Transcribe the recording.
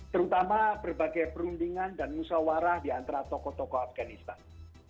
terutama berbagai perundingan dan musawarah di antara tokoh tokoh afganistan